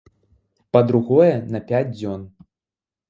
Па-другое, на пяць дзён.